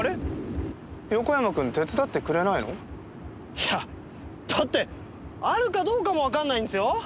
いやだってあるかどうかもわからないんですよ？